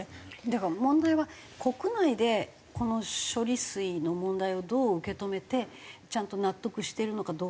だから問題は国内でこの処理水の問題をどう受け止めてちゃんと納得してるのかどうかっていう。